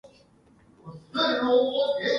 These designs can all be easily mass-produced.